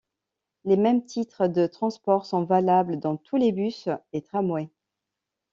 Les mêmes titres de transport sont valables dans tous les bus et tramways.